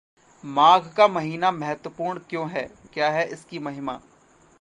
माघ का महीना महत्वपूर्ण क्यों है, क्या है इसकी महिमा?